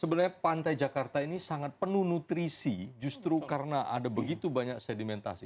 sebenarnya pantai jakarta ini sangat penuh nutrisi justru karena ada begitu banyak sedimentasi